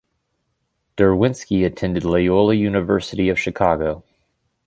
Derwinski attended Loyola University of Chicago.